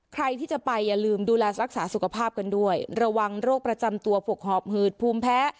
ใครที่จะไปอย่าลืมดูแลรักษาสุขภาพกันด้วยระวังโรคประจำตัวผกหอบหืดภูมิแพ้